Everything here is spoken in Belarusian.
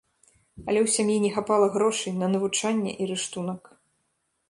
Але ў сям'і не хапала грошай на навучанне і рыштунак.